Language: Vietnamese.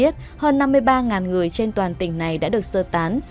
trên toàn tỉnh này đã được sơ tán